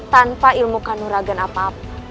tanpa ilmu kanuragan apa apa